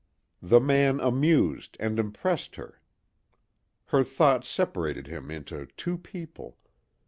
The man amused and impressed her. Her thought separated him into two people.